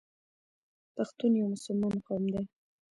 پښتون یو مسلمان قوم دی.